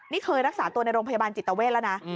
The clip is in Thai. นี่เคยรักษาตัวในโรงพยาบาลจิตเวทแล้วนะ